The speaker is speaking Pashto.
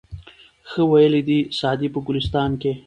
ښه ویلي دي سعدي په ګلستان کي